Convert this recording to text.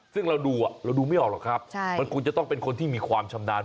ซึ่งเราดูเราดูไม่ออกหรอกครับมันควรจะต้องเป็นคนที่มีความชำนาญ